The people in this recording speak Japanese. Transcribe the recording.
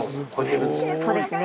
そうですね